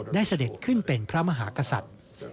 เสด็จขึ้นเป็นพระมหากษัตริย์